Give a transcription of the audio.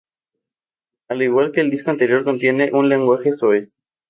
Al igual que el disco anterior contiene un lenguaje soez.